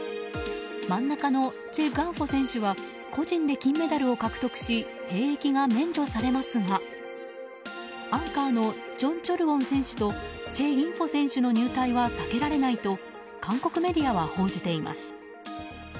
真ん中のチェ・グァンホ選手は個人で金メダルを獲得し兵役が免除されますがアンカーのチョン・チョルウォン選手とチェ・インホ選手の入隊は避けられないと韓国メディアは報じています。